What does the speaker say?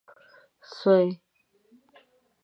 سويي